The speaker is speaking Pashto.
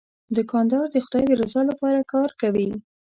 دوکاندار د خدای د رضا لپاره کار کوي.